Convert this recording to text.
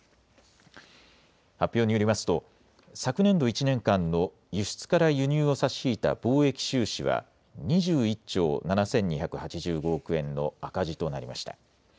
発表によりますと昨年度１年間の輸出から輸入を差し引いた貿易収支は２１兆７２８５億円の赤字となりました。